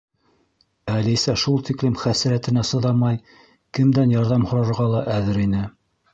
Әлисә шул тиклем хәсрәтенә сыҙамай, кемдән ярҙам һорарға ла әҙер ине.